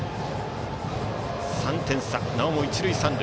３点差、なおも一塁三塁。